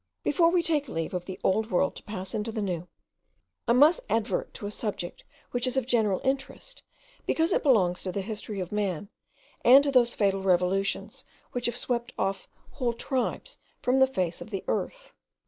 Before we take leave of the old world to pass into the new, I must advert to a subject which is of general interest, because it belongs to the history of man, and to those fatal revolutions which have swept off whole tribes from the face of the earth.